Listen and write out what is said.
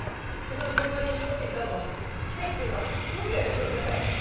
お宅の隣に引っ越してきたのは奇跡っていうか運命ですよ絶対！